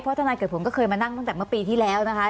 ทนายเกิดผลก็เคยมานั่งตั้งแต่เมื่อปีที่แล้วนะคะ